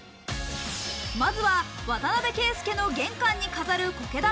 まずは渡邊圭祐の玄関に飾る苔玉。